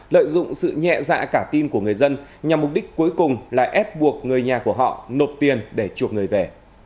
lợi dụng sự nhẹ dạ cả tin của người dân nhằm mục đích cuối cùng là ép buộc người nhà của họ nộp tiền để chuộc người về